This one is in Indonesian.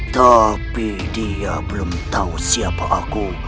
tapi dia belum tahu siapa aku